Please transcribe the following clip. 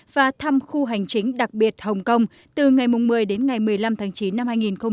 và thăm khu hành chính đặc biệt hồng kông từ ngày một mươi đến ngày một mươi năm tháng chín năm hai nghìn hai mươi